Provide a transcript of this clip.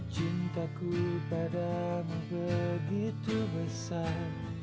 cintaku padamu begitu besar